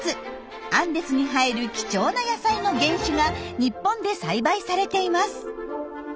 アンデスに生える貴重な野菜の原種が日本で栽培されています。